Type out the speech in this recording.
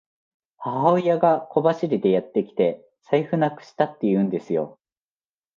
母親が小走りでやってきて、財布なくしたって言うんですよ。